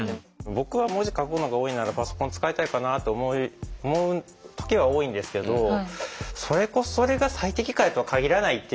僕は文字書くのが多いならパソコン使いたいかなって思う時が多いんですけどそれが最適解とは限らないっていうのは確かで。